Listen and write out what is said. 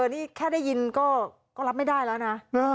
นี่แค่ได้ยินก็รับไม่ได้แล้วนะ